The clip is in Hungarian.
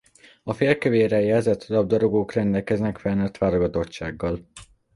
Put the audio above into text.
A félkövérrel jelzett labdarúgók rendelkeznek felnőtt válogatottsággal.